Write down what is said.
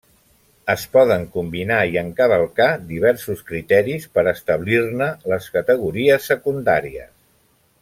Es poden combinar i encavalcar diversos criteris per establir-ne les categories secundàries.